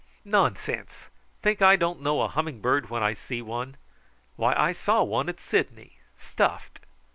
"Nonsense! Think I don't know a humming bird when I see one. Why, I saw one at Sydney, stuffed."